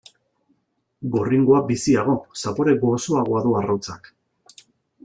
Gorringoa biziago, zapore gozoagoa du arrautzak.